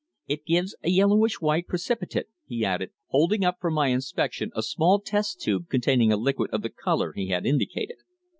It gives a yellowish white precipitate," he added, holding up for my inspection a small test tube containing a liquid of the colour he had indicated.